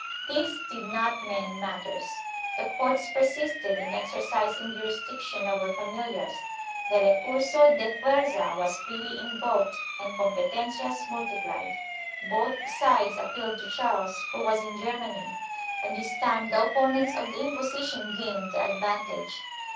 3 This did not mend matters. The courts persisted in exercising jurisdiction over familiars, the recur so de fuerza was freely invoked and competencias multiplied. Both sides appealed to Charles, who was in Germany, and this time the opponents of the Inquisition gained the advantage.